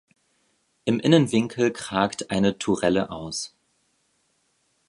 Im Innenwinkel kragt eine Tourelle aus.